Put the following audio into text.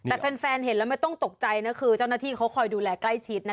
แต่แฟนเห็นแล้วไม่ต้องตกใจนะคือเจ้าหน้าที่เขาคอยดูแลใกล้ชิดนะคะ